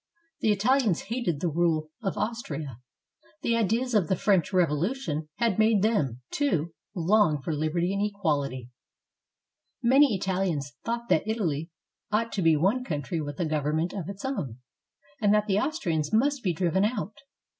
The Italians hated the rule of Aus tria. The ideas of the French Revolution had made them, too, long for liberty and equality. Many Italians said that Italy ought to be one country with a govern ment of its own, and that the Austrians must be driven out.